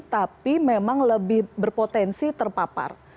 tapi memang lebih berpotensi terpapar